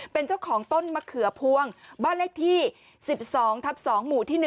เป็นเจ้าของต้นมะเขือพวงบ้านเลขที่๑๒ทับ๒หมู่ที่๑